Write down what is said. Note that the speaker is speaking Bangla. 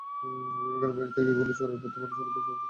বিভাগের বাইরে থেকে এগুলো চোরাইপথে বরিশালে আসে বলে দাবি করেন তিনি।